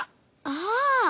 ああ！